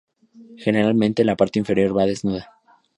Generalmente la parte inferior va desnuda.